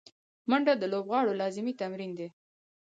منډه د لوبغاړو لازمي تمرین دی